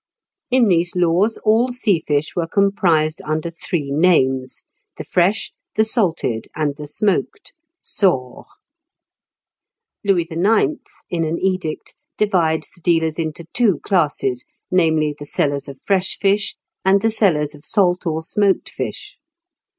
In these laws, all sea fish were comprised under three names, the fresh, the salted, and the smoked (sor). Louis IX. in an edict divides the dealers into two classes, namely, the sellers of fresh fish, and the sellers of salt or smoked fish.